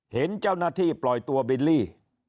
เห็นเจ้าหน้าที่ปล่อยตัวบิลลี่